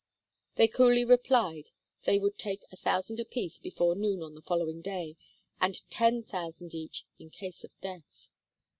They coolly replied they would take a thousand apiece before noon on the following day, and ten thousand each in case of death.